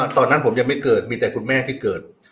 ตอนนั้นผมยังไม่เกิดมีแต่คุณแม่ที่เกิด